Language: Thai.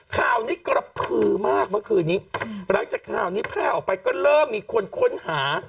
ข่าวนี้กระพือมากเมื่อคืนนี้หลังจากข่าวนี้แพร่ออกไปก็เริ่มมีคนค้นหา